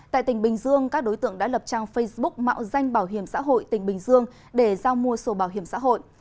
tại tỉnh bình dương các đối tượng đã lập trang facebook mạo danh bảo hiểm xã hội tỉnh bình dương để giao mua sổ bảo hiểm xã hội